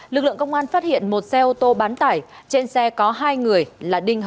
lực lượng công an phát hiện một xe ô tô bán tải